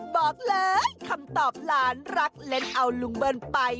บอกเลยคำตอบหลานรักเล่นเอาลุงเบิ้ลไป